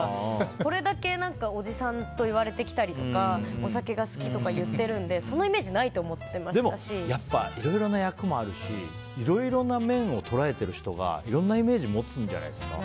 これだけおじさんと言われてきたりとかお酒が好きとか言っているのでそのイメージはないといろいろな役もあるしいろいろな面を捉えてる人がいろんなイメージ持つんじゃないですか。